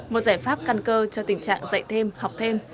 một giải pháp căn cơ cho tình trạng dạy thêm học thêm